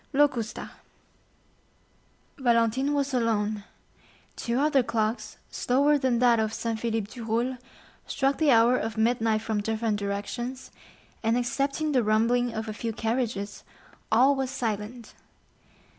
Locusta Valentine was alone; two other clocks, slower than that of Saint Philippe du Roule, struck the hour of midnight from different directions, and excepting the rumbling of a few carriages all was silent.